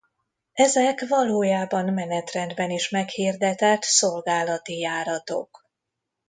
Ezek valójában menetrendben is meghirdetett szolgálati járatok.